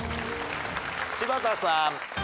柴田さん。